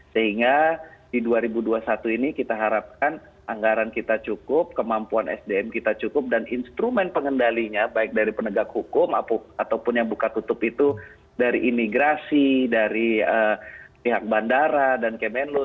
sehingga di dua ribu dua puluh satu ini kita harapkan anggaran kita cukup kemampuan sdm kita cukup dan instrumen pengendalinya baik dari penegak hukum ataupun yang buka tutup itu dari imigrasi dari pihak bandara dan kemenlu